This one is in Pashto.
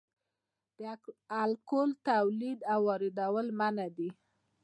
د الکول تولید او واردول منع دي